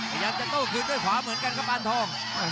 ขยับให้เข้ากล้องกลุ่มคืนด้วยขวางเหมือนกันครับปานทอง